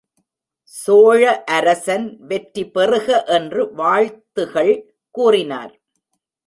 சோழ அரசன் வெற்றி பெறுக என்று வாழ்த்துகள் கூறினர்.